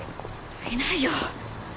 足りないよ。